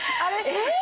えっ？